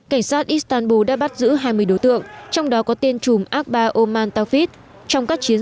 cảnh sát istanbul đã bắt giữ hai mươi đối tượng trong đó có tên chùm akbar oman taufit trong các chiến